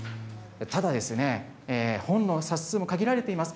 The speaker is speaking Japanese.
ただ、本の冊数も限られています。